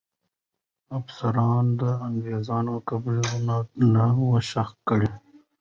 افسرانو د انګریزانو قبرونه نه وو ښخ کړي.